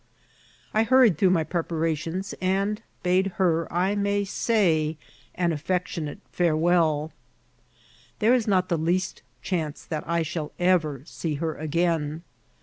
I harried through mj preparations, and bade her, I may say, an affectionate farewelL There is not the least ahance that I shall eyer see her again.